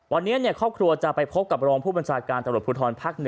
วันนี้ครอบครัวจะไปพบกับรองผู้บริษัทการตรวจผู้ทรพัก๑